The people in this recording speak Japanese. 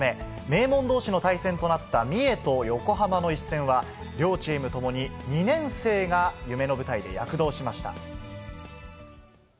名門どうしの対戦となった三重と横浜の一戦は、両チームともに、２年生が夢の舞台で躍動しました。